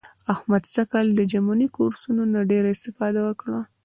احمد سږ کال له ژمني کورسونو نه ډېره اسفاده وکړه.